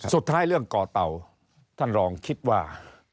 สุดท้ายเรื่องก่อเตาท่านรองคิดว่า